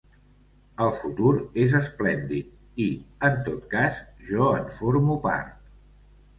El futur és esplèndid i, en tot cas, jo en formo part.